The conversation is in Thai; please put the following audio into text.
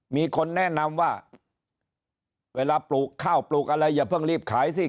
มีคนแนะนำว่าเวลาปลูกข้าวปลูกอะไรอย่าเพิ่งรีบขายสิ